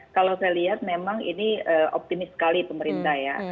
kalau saya lihat memang ini optimis sekali pemerintah ya